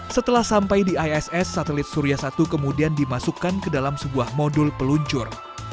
setelah sampai di iss satelit surya satu kemudian dimasukkan ke dalam sebuah modul peluncur